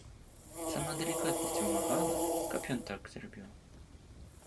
Сама далікатнасць вымагала, каб ён так зрабіў.